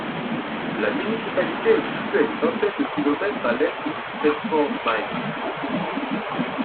La municipalité est située à une vingtaine de kilomètres à l'est de Thetford Mines.